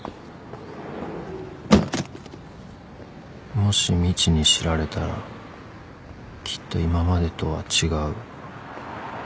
もしみちに知られたらきっと今までとは違う